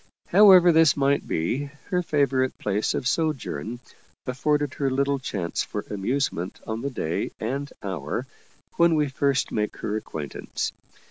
However this might be, her favorite place of sojourn afforded her little chance for amusement on the day and hour when we first make her acquaintance.